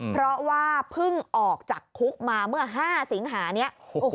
เพราะว่าพึ่งออกจากคุกมาเมื่อห้าศิริหรรภ์เนี้ย